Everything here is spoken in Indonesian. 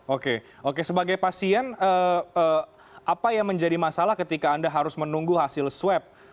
oke oke sebagai pasien apa yang menjadi masalah ketika anda harus menunggu hasil swab